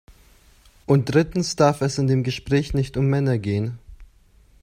Und drittens darf es in dem Gespräch nicht um Männer gehen.